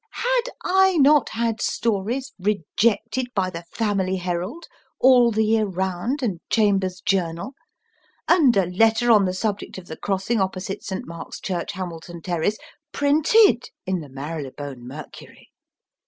Had I not had stories rejected by the Family Herald^ All the Year Round, and Chambers s Journal, and a letter on the subject of the crossing opposite St. Mark s Church, Hamilton Terrace, printed in the Marylebone Mercury